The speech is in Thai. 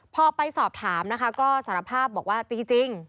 พอไปสอบถามนะคะก็สารภาพบอกว่าจริง